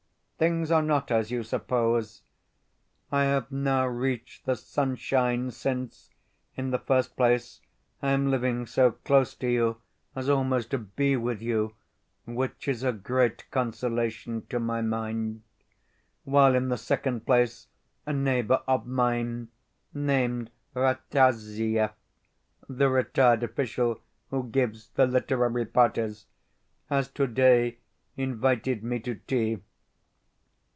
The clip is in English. Things are not as you suppose. I have now reached the sunshine since, in the first place, I am living so close to you as almost to be with you (which is a great consolation to my mind), while, in the second place, a neighbour of mine named Rataziaev (the retired official who gives the literary parties) has today invited me to tea.